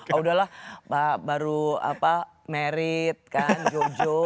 oh udahlah baru apa married kan jojo